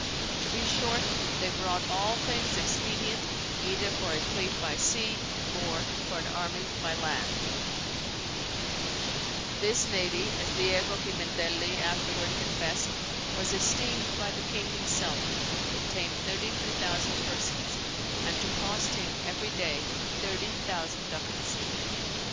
To be short, they brought all things expedient, either for a fleete by sea, or for an armie by land. "This navie (as Diego Pimentelli afterward confessed) was esteemed by the king himselfe to containe 32,000 persons, and to cost him every day 30 thousand ducates.